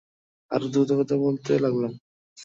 আরো দ্রুত কথা বলতে লাগলাম।